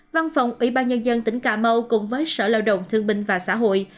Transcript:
văn phòng ủy ban nhân dân tỉnh cà mau cùng với sở lao động thương binh và xã hội